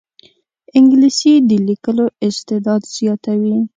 انګلیسي د لیکلو استعداد زیاتوي